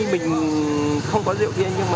mình không có rượu bia